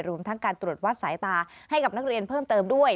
รวมทั้งการตรวจวัดสายตาให้กับนักเรียนเพิ่มเติมด้วย